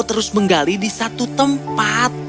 terus menggali di satu tempat